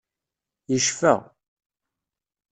Yecfa.